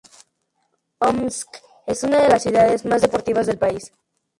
Omsk es una de las ciudades más deportivas del país.